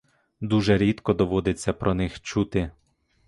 Дуже рідко доводиться про них чути.